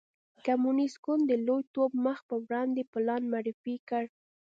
کمونېست ګوند د لوی ټوپ مخ په وړاندې پلان معرفي کړ.